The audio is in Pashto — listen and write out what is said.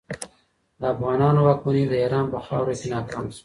د افغانانو واکمني د ایران په خاوره کې ناکامه شوه.